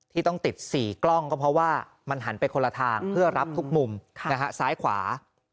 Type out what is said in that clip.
ที่ต้องติด๔กล้องก็เพราะว่ามันหันไปคนละทางเพื่อรับทุกมุมซ้ายขวา